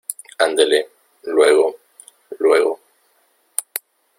andele, luego , luego.